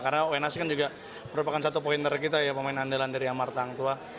karena wenas kan juga merupakan satu pointer kita ya pemain andalan dari amarta hang tuah